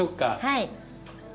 はい。